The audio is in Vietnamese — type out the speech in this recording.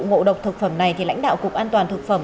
ngộ độc thực phẩm này thì lãnh đạo cục an toàn thực phẩm